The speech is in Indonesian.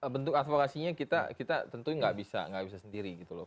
bentuk advokasinya kita tentunya nggak bisa sendiri gitu loh